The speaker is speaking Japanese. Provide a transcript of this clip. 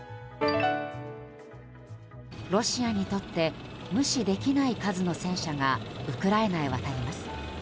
ロシアにとって無視できない数の戦車がウクライナへ渡ります。